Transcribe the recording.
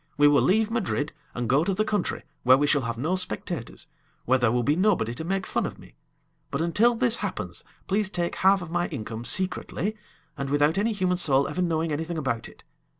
We will leave Madrid, and go to the country, where we shall have no spectators, where there will be nobody to make fun of me. But until this happens, please take half of my income secretly, and without any human soul ever knowing anything about it.